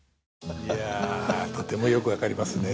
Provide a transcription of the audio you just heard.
いやとてもよく分かりますね。